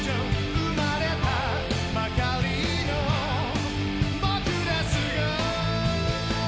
「生まれたばかりのぼくですが」